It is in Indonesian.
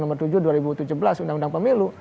nomor tujuh dua ribu tujuh belas undang undang pemilu